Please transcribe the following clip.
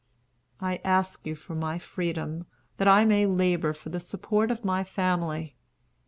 I ask you for my freedom, that I may labor for the support of my family.